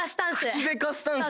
「口でかスタンス」？